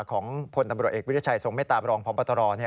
ของพลอวิทยาชัยทรงเมตตาบรพตร